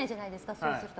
そうすると。